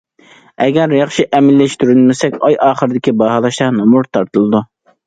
ئەگەر ياخشى ئەمەلىيلەشتۈرمىسەك، ئاي ئاخىرىدىكى باھالاشتا نومۇر تارتىلىدۇ.